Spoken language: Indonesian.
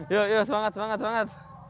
yo yo semangat semangat